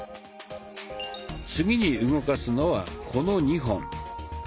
次に動かすのはこの２本。